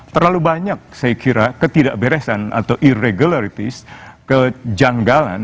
terlalu banyak saya kira ketidakberesan atau e regularities kejanggalan